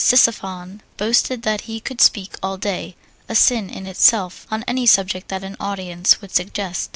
Ctesiphon boasted that he could speak all day (a sin in itself) on any subject that an audience would suggest.